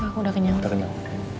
enggak aku udah kenyang